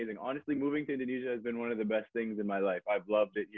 sejujurnya berpindah ke indonesia adalah salah satu hal terbaik dalam hidupku